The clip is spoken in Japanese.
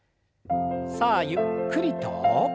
さあゆっくりと。